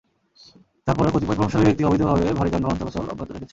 তার পরও কতিপয় প্রভাবশালী ব্যক্তি অবৈধভাবে ভারী যানবাহন চলাচল অব্যাহত রেখেছে।